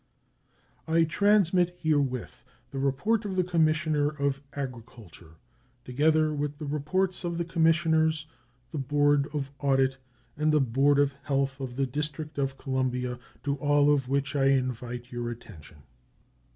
I transmit herewith the report of the Commissioner of Agriculture, together with the reports of the Commissioners, the board of audit, and the board of health of the District of Columbia, to all of which I invite your attention.